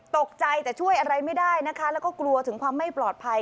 ตกใจแต่ช่วยอะไรไม่ได้นะคะแล้วก็กลัวถึงความไม่ปลอดภัย